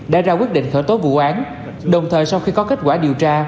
đã ra quyết định khởi tố vụ án đồng thời sau khi có kết quả điều tra